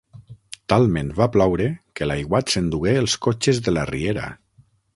Talment va ploure, que l'aiguat s'endugué els cotxes de la riera.